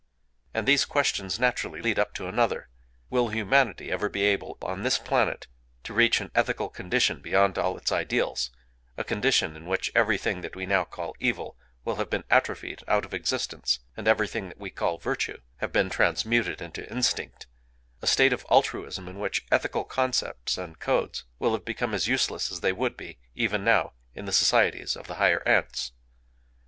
And these questions naturally lead up to another: Will humanity ever be able, on this planet, to reach an ethical condition beyond all its ideals,—a condition in which everything that we now call evil will have been atrophied out of existence, and everything that we call virtue have been transmuted into instinct;—a state of altruism in which ethical concepts and codes will have become as useless as they would be, even now, in the societies of the higher ants.